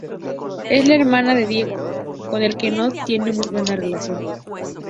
Es la hermana de Diego, con el que no tiene muy buena relación.